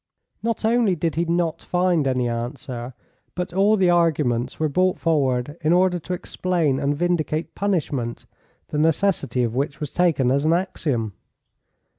Not only did he not find any answer, but all the arguments were brought forward in order to explain and vindicate punishment, the necessity of which was taken as an axiom.